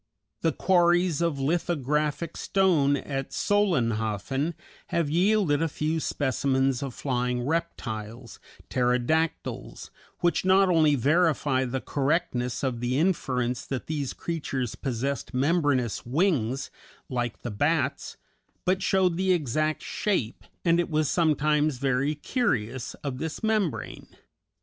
The quarries of lithographic stone at Solenhofen have yielded a few specimens of flying reptiles, pterodactyls, which not only verify the correctness of the inference that these creatures possessed membranous wings, like the bats, but show the exact shape, and it was sometimes very curious, of this membrane.